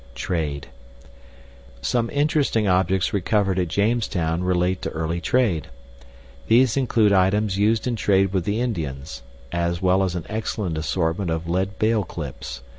Trade Some interesting objects recovered at Jamestown relate to early trade. These include items used in trade with the Indians, as well as an excellent assortment of lead bale clips.